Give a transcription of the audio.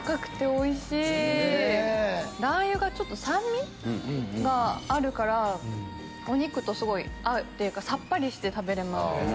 ラー油が酸味があるからお肉とすごい合うっていうかさっぱりして食べれます。